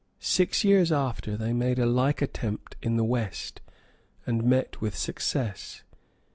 Six years after, they made a like attempt in the west, and met with like success.